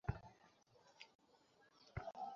আপনি রাতে তাদের দেখেছেন, তাই হয়তো চিনতে পারেননি।